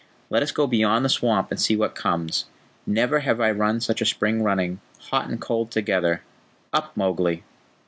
Let us go beyond the swamp and see what comes. Never have I run such a spring running hot and cold together. Up, Mowgli!"